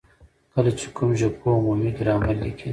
کله چي کوم ژبپوه عمومي ګرامر ليکي،